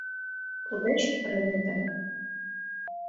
— Лудеш рвезе.